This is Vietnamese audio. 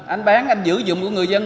anh bán anh giữ dụng của người dân